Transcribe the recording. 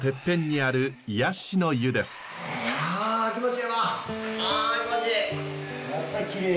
あ気持ちいい。